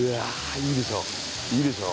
いいでしょ？